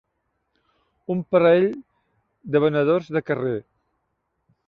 Un parell de venedors de carrer